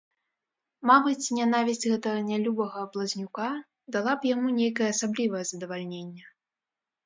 Мабыць, нянавісць гэтага нялюбага блазнюка дала б яму нейкае асаблівае задавальненне.